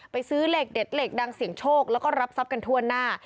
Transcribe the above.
ซื้อเลขเด็ดเลขดังเสี่ยงโชคแล้วก็รับทรัพย์กันทั่วหน้า